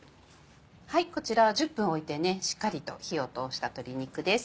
こちらは１０分置いてしっかりと火を通した鶏肉です。